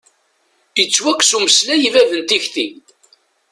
Yettwakkes umeslay i bab n tikti.